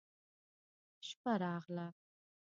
شپه راغله.